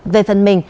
về phần mình